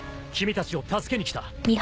君たちを助けに来た。